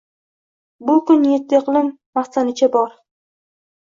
Bu kun yetti iqlim maxzanicha bor